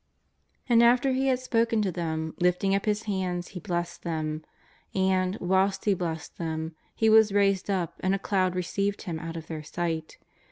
'^* And after He had spoken to them, lifting up His hands. He blessed them. And, wliilst He blessed them, He was raised up, and a cloud received Him out of their sight.